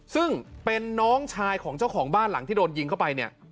ซึ่งเป็นน้องชายของเจ้าของบ้านหลังที่โดนยิงเข้าไปเนี่ย